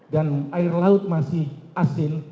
dan air laut masih asin